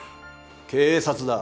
警察だ。